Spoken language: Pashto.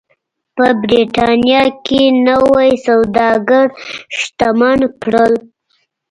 په برېټانیا کې نوي سوداګر شتمن کړل.